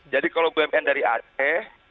jadi kalau bumn dari aceh